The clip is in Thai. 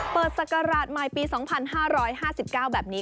ศักราชใหม่ปี๒๕๕๙แบบนี้